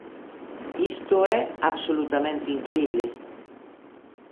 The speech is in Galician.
Isto é absolutamente incrible.